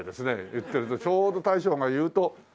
言ってるとちょうど大将が言うと鳴く。